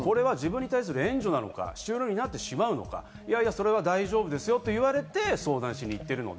これは自分に対する援助なのか、収入になってしまうのか、いやいや大丈夫ですよと言われて相談しに行っているので。